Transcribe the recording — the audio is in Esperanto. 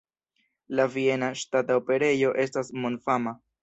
La Viena Ŝtata Operejo estas mondfama.